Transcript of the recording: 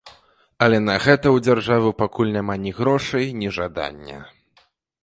Але на гэта ў дзяржавы пакуль няма ні грошай, ні жадання.